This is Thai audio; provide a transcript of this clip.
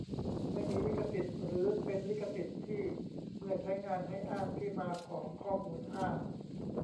ไม่มีลิขสิทธ์ หรือ เป็นลิขสิทธิ์ที่เมื่อใช้งาน ให้อ้างที่มาของข้อมูล ห้า